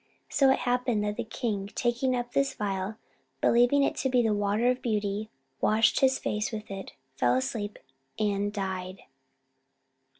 So it happened that the king, taking up this phial, believing it to be the water of beauty, washed his face with it, fell asleep, and died.